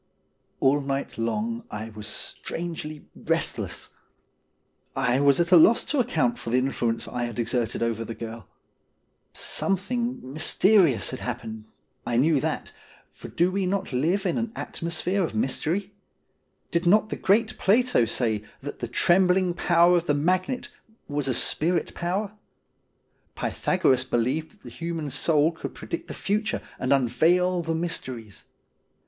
All night long I was strangely restless. I was at a loss to account for the influence I had exerted over the girl. Some thing mysterious had happened — I knew that, for do we not live in an atmosphere of mystery ? Did not the great Plato say that the trembling power of the magnet was a spirit power ? Pythagoras believed that the human soul could predict the future and unveil the mysteries.